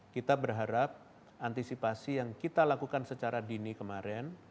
kita berharap antisipasi yang kita lakukan secara dini kemarin